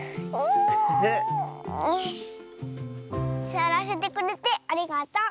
すわらせてくれてありがとう。